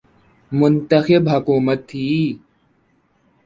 منتخب حکومت تھی۔